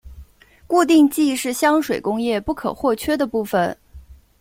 固定剂是香水工业不可或缺的部份。